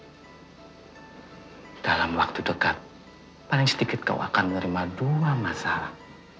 dan dalam waktu dekat paling sedikit kau akan menerima dua masalah